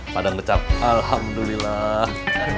pada ngecap alhamdulillah